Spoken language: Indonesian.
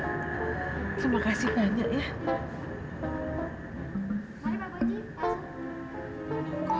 terima kasih banyak ya